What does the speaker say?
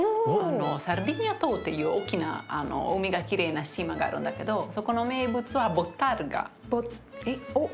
サルデーニャ島っていう大きな海がきれいな島があるんだけどそこの名物はボッタルガ。